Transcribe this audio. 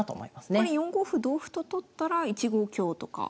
これ４五歩同歩と取ったら１五香とか。